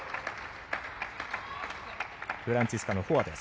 フランツィスカのフォアです。